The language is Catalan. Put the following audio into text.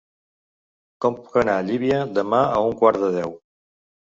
Com puc anar a Llívia demà a un quart de deu?